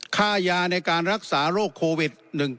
ค่ายาในการรักษาโรคโควิด๑๙